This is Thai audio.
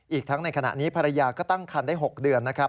อีกทั้งในขณะนี้ภรรยาก็ตั้งคันได้๖เดือนนะครับ